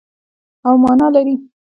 او مانا لري.